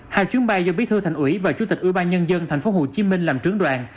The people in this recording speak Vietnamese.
hai chuyến bay do bí thư thành ủy và chủ tịch ủy ban nhân dân tp hcm làm trướng đoàn